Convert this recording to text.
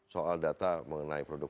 soal data mengenai produk